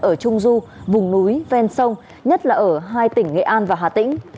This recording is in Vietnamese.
ở trung du vùng núi ven sông nhất là ở hai tỉnh nghệ an và hà tĩnh